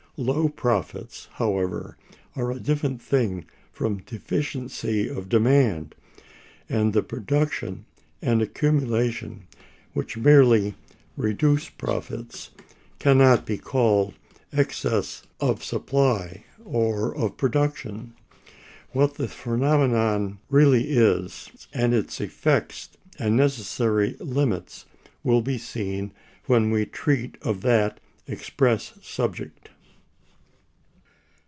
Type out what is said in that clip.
Low profits, however, are a different thing from deficiency of demand, and the production and accumulation which merely reduce profits can not be called excess of supply or of production. What the phenomenon really is, and its effects and necessary limits, will be seen when we treat of that express subject.